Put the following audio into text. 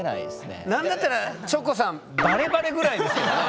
何だったらチョコさんバレバレぐらいですけどね。